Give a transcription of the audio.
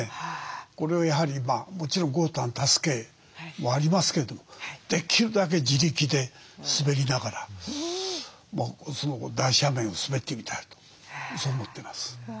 これをやはりもちろん豪太の助けもありますけどできるだけ自力で滑りながら大斜面を滑ってみたいとそう思ってます。